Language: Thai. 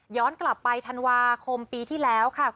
ย้อนกลับไปทานวาคมปีที่แล้วค่ะ